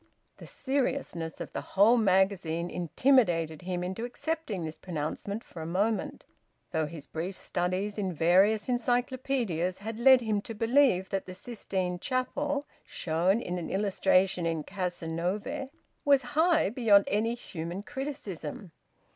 The seriousness of the whole magazine intimidated him into accepting this pronouncement for a moment, though his brief studies in various encyclopaedias had led him to believe that the Sistine Chapel (shown in an illustration in Cazenove) was high beyond any human criticism.